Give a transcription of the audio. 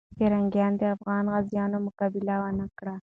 پرنګیان د افغان غازیو مقابله ونه کړه.